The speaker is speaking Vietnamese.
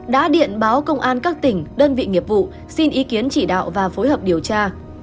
đã điện báo công an các tỉnh đơn vị nghiệp vụ xin ý kiến chỉ đạo và phối hợp điều tra